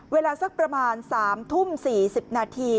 เวลาสักประมาณ๓ทุ่ม๔๐นาที